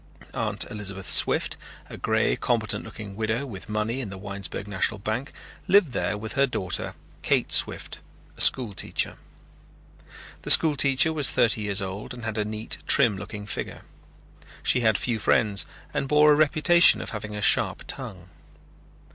Aunt Elizabeth Swift, a grey competent looking widow with money in the Winesburg National Bank, lived there with her daughter Kate Swift, a school teacher. The school teacher was thirty years old and had a neat trim looking figure. She had few friends and bore a reputation of having a sharp tongue.